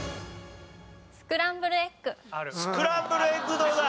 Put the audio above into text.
スクランブルエッグどうだ？